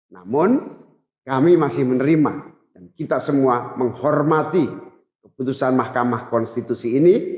namun kami masih menerima dan kita semua menghormati keputusan mahkamah konstitusi ini